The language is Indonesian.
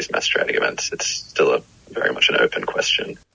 ini masih adalah pertanyaan yang sangat terbuka